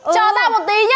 chờ tao một tí nhá